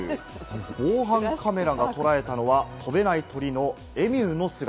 防犯カメラがとらえたのは、飛べない鳥のエミューの姿。